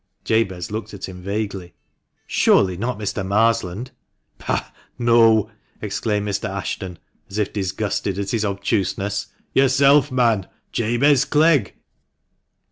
Jabez looked at him vaguely. "Surely, not Mr. Marsland !"" Pah ! no !" exclaimed Mr. Ashton, as if disgusted at his obtuseness. " Yourself, man — Jabez Clegg."